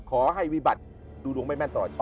ขอให้วิบัติดูดวงไม่แม่นต่อชอ